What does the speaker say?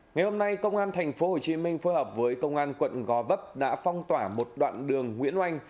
ngày hôm nay công an tp hcm phối hợp với công an quận gò vấp đã phong tỏa một đoạn đường nguyễn oanh